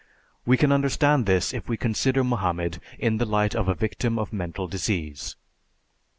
We can understand this if we consider Mohammed in the light of a victim of mental disease.